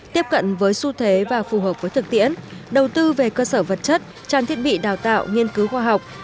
tiếp cận với xu thế và phù hợp với thực tiễn đầu tư về cơ sở vật chất trang thiết bị đào tạo nghiên cứu khoa học